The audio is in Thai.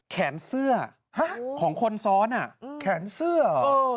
แขนเสื้อของคนซ้อนแขนเสื้อ